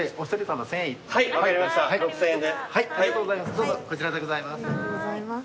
どうぞこちらでございます。